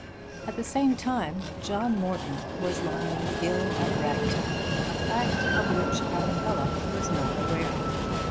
At the same time John Morton was lying ill at Bragton; a fact of which Arabella was not aware.